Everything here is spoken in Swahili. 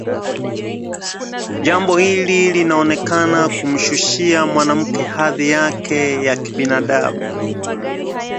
Jambo hili linaonekana kumshushia mwanamke hadhi yake ya kibinadamu